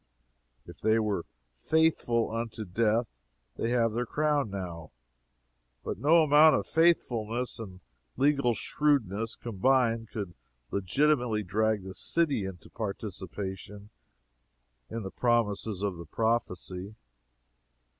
If they were "faithful unto death," they have their crown now but no amount of faithfulness and legal shrewdness combined could legitimately drag the city into a participation in the promises of the prophecy.